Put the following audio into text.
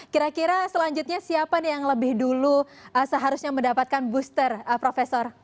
kira kira selanjutnya siapa nih yang lebih dulu seharusnya mendapatkan booster prof